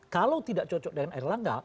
kalau tidak cocok dengan air langga